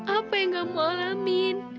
apa yang gak mau alamin